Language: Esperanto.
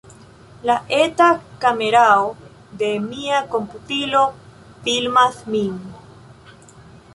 La eta kamerao de mia komputilo filmas min.